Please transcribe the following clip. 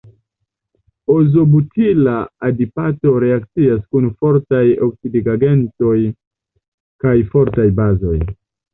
Izobutila adipato reakcias kun fortaj oksidigagentoj kaj fortaj bazoj.